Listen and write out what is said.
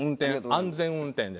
安全運転で。